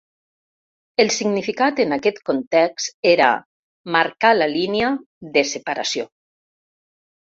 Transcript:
El significat en aquest context era "marcar la línia" de separació.